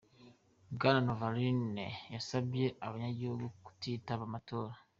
Bwana Navalny yasavye abanyagihugu kutitaba amatora.